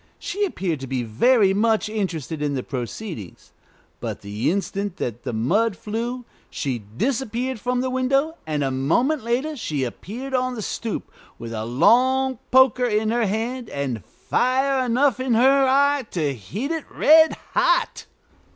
She appeared to be very much interested in the proceedings; but the instant that the mud flew, she disappeared from the window, and a moment later she appeared on the stoop with a long poker in her hand, and fire enough in her eye to heat it red hot.